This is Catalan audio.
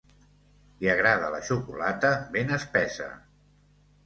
Li agrada la xocolata ben espessa.